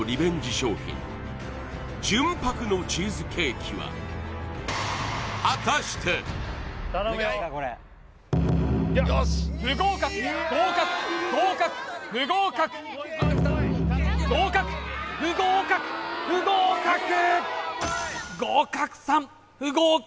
商品純白のチーズケーキは不合格合格合格不合格合格不合格不合格合格３不合格